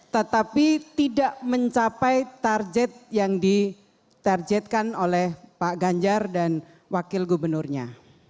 tetapi tidak mencapai target yang ditargetkan oleh pak ganjar dan wakil gubernurnya